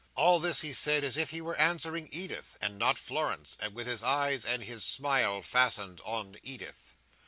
All this he said as if he were answering Edith, and not Florence, and with his eyes and his smile fastened on Edith.